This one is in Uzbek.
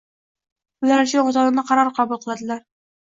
ular uchun ota-ona qaror qabul qiladilar.